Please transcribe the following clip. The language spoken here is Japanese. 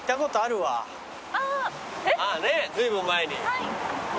はい。